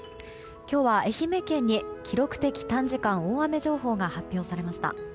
今日は愛媛県に記録的短時間大雨情報が発表されました。